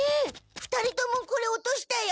２人ともこれ落としたよ。